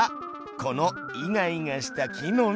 このイガイガした木の実。